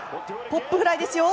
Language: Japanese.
ポップフライですよ。